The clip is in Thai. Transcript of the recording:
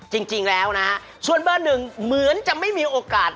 จริงแล้วนะฮะส่วนเบอร์หนึ่งเหมือนจะไม่มีโอกาส